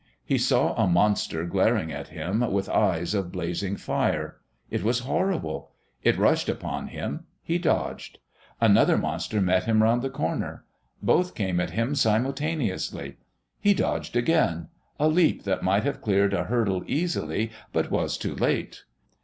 He saw a Monster glaring at him with eyes of blazing fire. It was horrible! It rushed upon him. He dodged.... Another Monster met him round the corner. Both came at him simultaneously.... He dodged again a leap that might have cleared a hurdle easily, but was too late.